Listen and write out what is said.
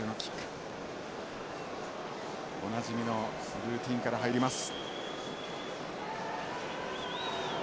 おなじみのルーチンから入ります。